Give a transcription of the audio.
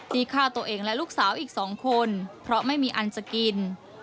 ฆ่าตัวเองและลูกสาวอีก๒คนเพราะไม่มีอันจะกิน